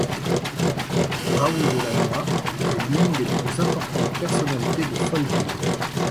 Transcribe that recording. Raoul de Lannoy est l’une des plus importantes personnalités de Folleville.